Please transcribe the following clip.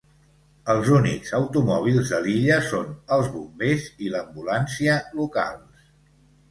Els únics automòbils de l'illa són els bombers i l'ambulància locals.